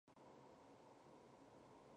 某年春三月二十一日去世。